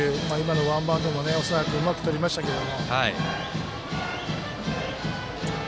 ワンバウンドもうまくとりましたけど。